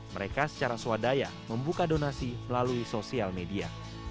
mereka secara swadaya membuka donasi melalui sosial media